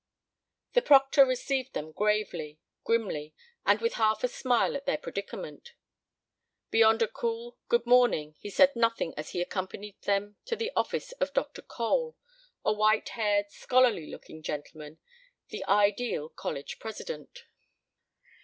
The proctor received them gravely, grimly and with a half smile at their predicament. Beyond a cool "good morning!" he said nothing as he accompanied them to the office of Dr. Cole, a white haired, scholarly looking gentleman, the ideal college president.